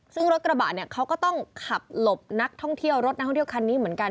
ซึ่งรถกระบะเนี่ยเขาก็ต้องขับหลบนักท่องเที่ยวรถนักท่องเที่ยวคันนี้เหมือนกัน